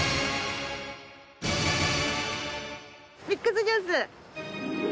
ミックスジュース！